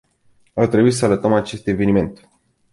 Ar trebui să salutăm acest eveniment.